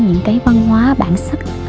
những cái văn hóa bản sắc